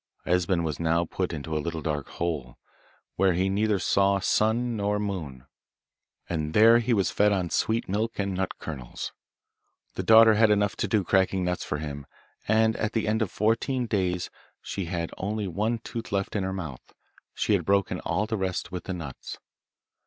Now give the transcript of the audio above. Esben was now put into a little dark hole, where he neither saw sun nor moon, and there he was fed on sweet milk and nut kernels. The daughter had enough to do cracking nuts for him, and at the end of fourteen days she had only one tooth left in her mouth; she had broken all the rest with the nuts.